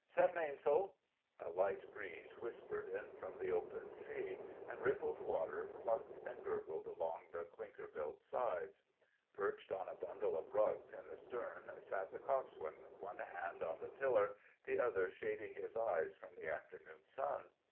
"Set mainsail!" A light breeze whispered in from the open sea, and the rippled water clucked and gurgled along the clinker built sides. Perched on a bundle of rugs in the stern sat the Coxswain, one hand on the tiller, the other shading his eyes from the afternoon sun.